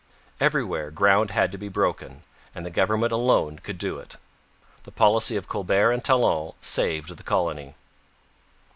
Everywhere ground had to be broken, and the government alone could do it. The policy of Colbert and Talon saved the colony.